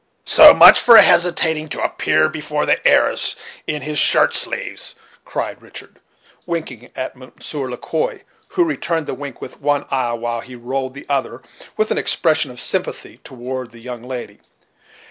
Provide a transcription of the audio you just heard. "So much for hesitating to appear before the heiress in his shirt sleeves," cried Richard, winking at Monsieur Le Quoi, who returned the wink with one eye, while he rolled the other, with an expression of sympathy, toward the young lady.